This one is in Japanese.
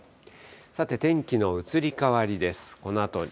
さて、天気の移り変わりです。